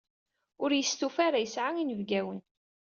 Ur yestufa ara yesɛa inebgawen.